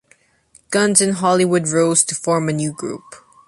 Guns and Hollywood Rose to form a new group.